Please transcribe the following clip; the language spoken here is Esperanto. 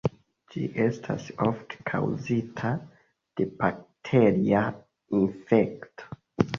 Ĝi estas ofte kaŭzita de bakteria infekto.